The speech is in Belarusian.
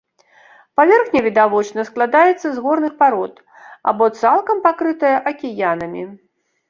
Паверхня, відавочна, складаецца з горных парод, або цалкам пакрытая акіянамі.